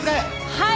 はい！